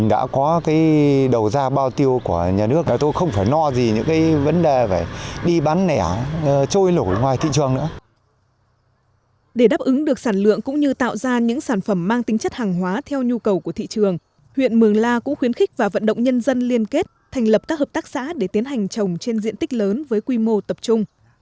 để đáp ứng được sản lượng cũng như tạo ra những sản phẩm mang tính chất hàng hóa theo nhu cầu của thị trường huyện mường la cũng khuyến khích và vận động nhân dân liên kết thành lập các hợp tác xã để tiến hành trồng trên diện tích lớn với quy mô tập trung